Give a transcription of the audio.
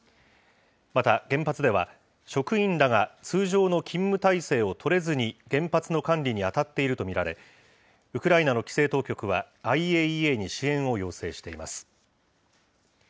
また原発では、職員らが通常の勤務態勢を取れずに、原発の管理に当たっていると見られ、ウクライナの規制当局は、ＩＡＥＡに支援を要請しています。